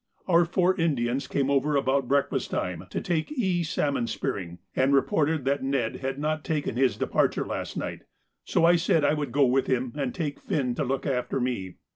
Our four Indians came over about breakfast time to take E. salmon spearing, and reported that Ned had not taken his departure last night, so I said I would go with him and take Finn to look after me.